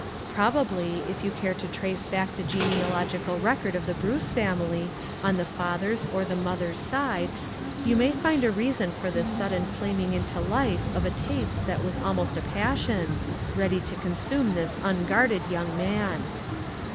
Probably, if you care to trace back the genealogical record of the Bruce family, on the father's or the mother's side, you may find a reason for this sudden flaming into life of a taste that was almost a passion, ready to con sume this unguarded young man.